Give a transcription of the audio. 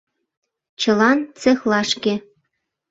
Чылан — цехлашке!